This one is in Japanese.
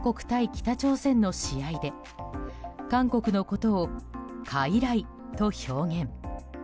北朝鮮の試合で韓国のことを傀儡と表現。